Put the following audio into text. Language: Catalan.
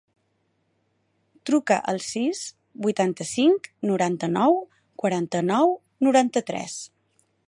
Truca al sis, vuitanta-cinc, noranta-nou, quaranta-nou, noranta-tres.